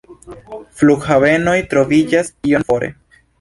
Flughavenoj troviĝas iom fore.